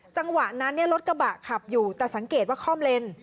จังหวะนั้นรถกระบะขับอยู่แต่สังเกตว่าคล่อมเลน